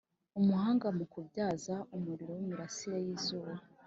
Umuhanga mu kubyaza umuriro mu mirasire yizuba